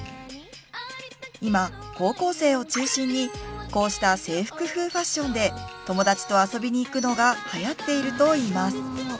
今高校生を中心にこうした制服風ファッションで友達と遊びに行くのがはやっているといいます。